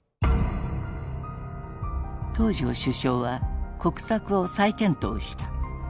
東條首相は国策を再検討した。